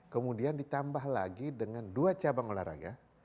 kemudian ditambah lagi dengan dua cabang olahraga